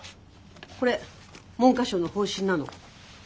これ文科省の方針なの。